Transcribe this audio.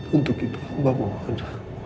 untuk itu amba mohon